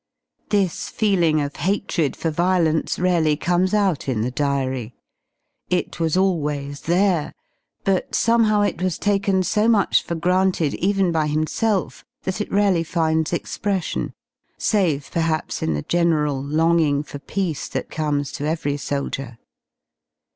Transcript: Thisjeelvng of hatred for violen ce rar ely comes out in the Diary. It was dlwdWtfieff^t somehow it was taken so much for granted y even by himself y that it rarely finds expression, save perhaps in the general longing for peace that comes to every soldier.